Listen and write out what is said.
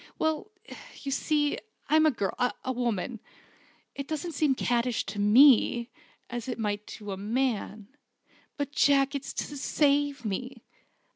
"Well you see, I'm a girl a woman. It doesn't seem caddish to me, as it may to a man. But, Jack, it's to save me!